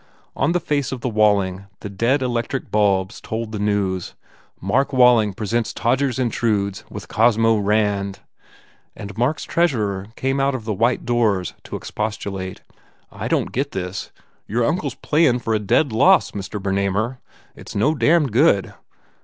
On the face of the Walling the dead electric bulbs told the news, "Mark Walling Presents Todgers Intrudes With Cosmo Rand" and Mark s treasurer came out of the white doors to expostulate. "I don t get this. Your uncle s playin for a dead loss, Mr. Bernamer. It s no damn good."